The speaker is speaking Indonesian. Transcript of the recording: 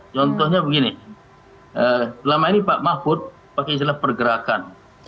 contohnya begini selama ini pak mahfud pakai istilah pergerakan